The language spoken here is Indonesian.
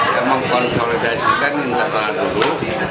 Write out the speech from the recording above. yang mengkonsolidasikan interlalu dulu